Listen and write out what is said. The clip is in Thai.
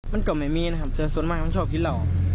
มันก็ไม่มีนะครับแต่ส่วนมากมันชอบกินเหล้า